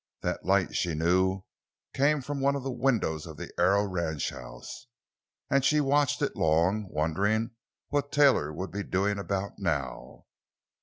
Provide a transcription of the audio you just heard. That light, she knew, came from one of the windows of the Arrow ranchhouse, and she watched it long, wondering what Taylor would be doing about now.